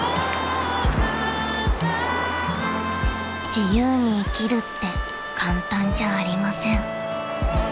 ［自由に生きるって簡単じゃありません］